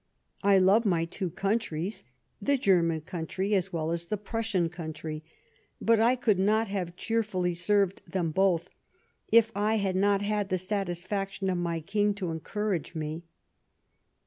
I love my two countries, the German country as well as the Prussian country ; but I could not have cheerfully served them both if I had not had the satisfaction of my King to encourage me."